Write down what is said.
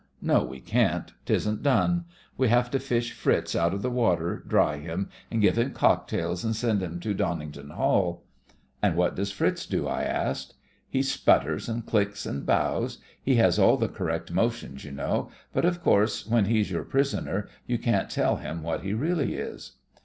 "No, we can't. 'Tisn't done. We have to fish Fritz out of the water, dry him, and give him cocktails, and send him to Donnington Hall." "And what does Fritz do?" I asked. "He sputters and clicks and bows. 78 THE FRINGES OF THE FLEET He has all the correct motions, you know; but, of course, when he's your prisoner you can't tell him what he really is."